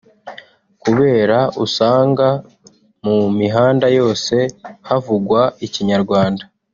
kubera usanga mu mihanda yose havugwa Ikinyarwanda